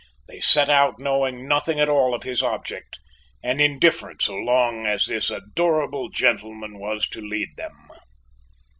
They set out knowing nothing at all of his object, and indifferent so long as this adorable gentleman was to lead them.